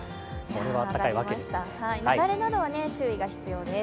なだれなどは注意が必要です。